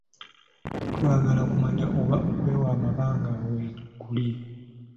Twagala okumanya oba okwewa amabanga weekuli.